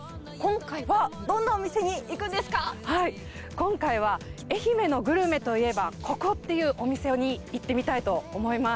今回は「愛媛のグルメといえばここ！」っていうお店に行ってみたいと思います。